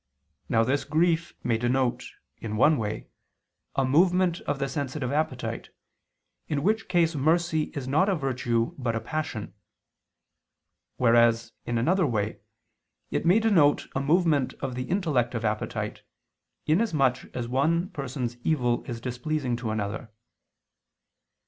Now this grief may denote, in one way, a movement of the sensitive appetite, in which case mercy is not a virtue but a passion; whereas, in another way, it may denote a movement of the intellective appetite, in as much as one person's evil is displeasing to another.